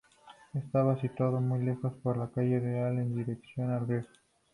Estaba situado "muy lejos" por la calle Real en dirección al río.